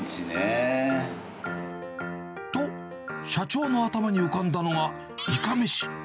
と、社長の頭に浮かんだのが、イカ飯。